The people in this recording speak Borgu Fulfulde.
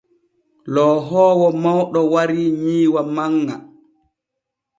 Loohoowo mawɗo warii nyiiwa manŋa.